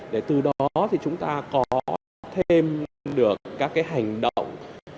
để từ đó thì chúng ta có thêm được các cái hành động